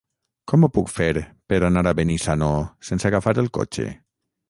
Com ho puc fer per anar a Benissanó sense agafar el cotxe?